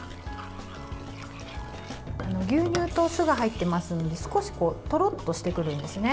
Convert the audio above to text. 牛乳と酢が入ってますので少しとろっとしてくるんですね。